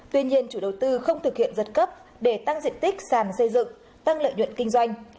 tuy nhiên chủ đầu tư không thực hiện giật cấp để tăng diện tích sàn xây dựng tăng lợi nhuận kinh doanh